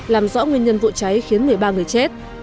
làm rõ nguyên nhân vụ cháy khiến một mươi ba người chết